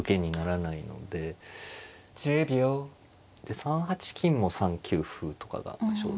３八金も３九歩とかが生じる。